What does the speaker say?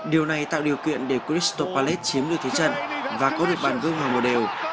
điều này tạo điều kiện để crystal palace chiếm được thế trận và có được bàn gương hòa một đều